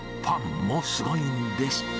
パンもすごいんです。